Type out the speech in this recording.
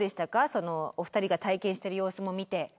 そのお二人が体験してる様子も見て。